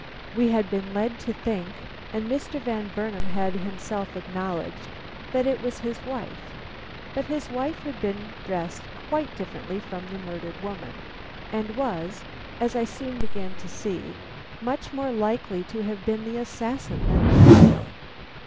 We had been led to think, and Mr. Van Burnam had himself acknowledged, that it was his wife; but his wife had been dressed quite differently from the murdered woman, and was, as I soon began to see, much more likely to have been the assassin than the victim.